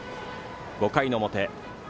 ５回の表。